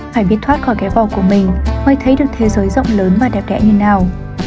phải biết thoát khỏi cái vò của mình mới thấy được thế giới rộng lớn và đẹp đẽ như nào